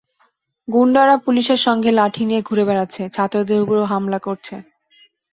গুন্ডারা পুলিশের সঙ্গে লাঠি নিয়ে ঘুরে বেড়াচ্ছে, ছাত্রদের ওপর হামলা করছে।